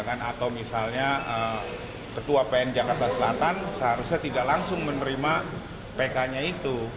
atau misalnya ketua pn jakarta selatan seharusnya tidak langsung menerima pk nya itu